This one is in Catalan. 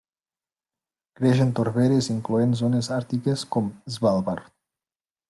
Creix en torberes incloent zones àrtiques com Svalbard.